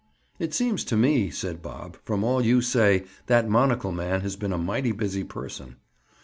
"It seems to me," said Bob, "from all you say, that monocle man has been a mighty busy person."